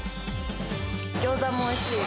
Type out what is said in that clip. ギョーザもおいしい。